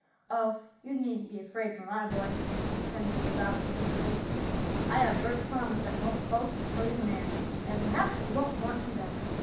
"Oh, you needn't be afraid for my boy!" exclaimed Mr. Bobbsey hastily. "I have Bert's promise that he won't smoke until he's man, and perhaps he won't want to then."